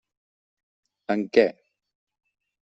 En què?